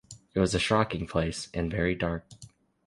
It was a shocking place, and very dark.